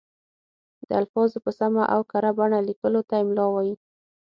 د الفاظو په سمه او کره بڼه لیکلو ته املاء وايي.